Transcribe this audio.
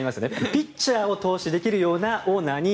ピッチャーに投資できるようなオーナーに